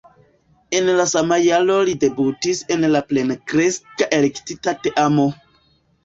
En la sama jaro li debutis en la plenkreska elektita teamo.